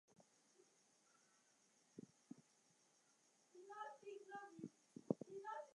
She tagged and released six albacore.